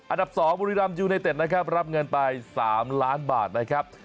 อันดับ๒บุรีรัมยูไนเต็ดนะครับรับเงินไป๓ล้านบาทนะครับ